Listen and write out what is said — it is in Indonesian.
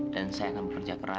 dan saya akan bekerja keras